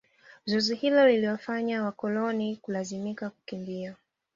Zoezi hilo liliwafanya wakoloni kulazimika kukimbia